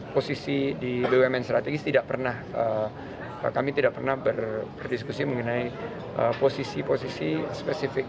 posisi di bumn strategis tidak pernah kami tidak pernah berdiskusi mengenai posisi posisi spesifik